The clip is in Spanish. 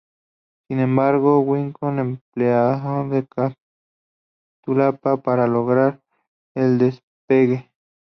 Sin embargo, los Wright emplearon una catapulta para lograr el despegue.